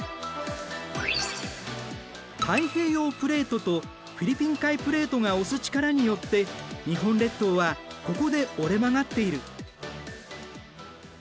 太平洋プレートとフィリピン海プレートが押す力によって日本列島はここで折れ曲がっている。